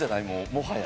もはや。